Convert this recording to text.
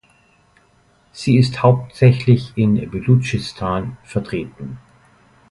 Sie ist hauptsächlich in Belutschistan vertreten.